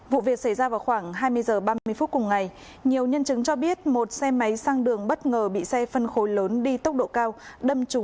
vụ việc xảy ra vào khoảng hai mươi h ba mươi phút cùng ngày nhiều nhân chứng cho biết một xe máy sang đường bất ngờ bị xe phân khối lớn đi tốc độ cao